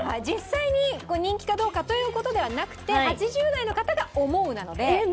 実際に人気かどうかという事ではなくて「８０代の方が思う」なので。